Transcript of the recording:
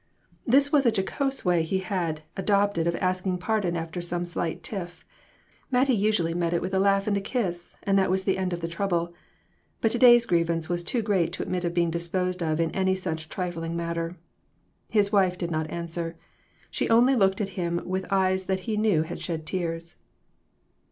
This was a jocose way he had adopted of ask ing pardon after some slight tiff. Mattie usually met it with a laugh and a kiss, and that was the end of the trouble. But to day's grievance was too great to admit of being disposed of in any such trifling manner. His wife did not answer. She only looked at him with eyes that he knew had shed tears.